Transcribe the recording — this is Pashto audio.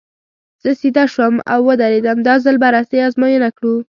زه سیده شوم او ودرېدم، دا ځل به رسۍ ازموینه کړو.